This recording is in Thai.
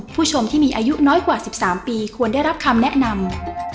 ผู้ชมที่มีอายุน้อยกว่า๑๓ปีควรได้รับคำแนะนำ